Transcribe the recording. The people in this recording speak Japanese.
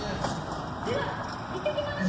ではいってきます！